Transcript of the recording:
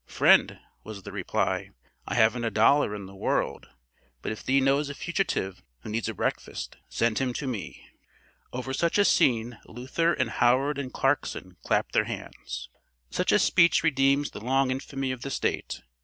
"'Friend,' was the reply, 'I haven't a dollar in the world, but if thee knows a fugitive who needs a breakfast, send him to me.' "Over such a scene, Luther and Howard and Clarkson clapped their hands. "Such a speech redeems the long infamy of the State.